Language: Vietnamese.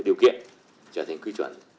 để điều kiện trở thành quy chuẩn